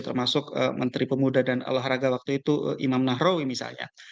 termasuk menteri pemuda dan olahraga waktu itu imam nahrawi misalnya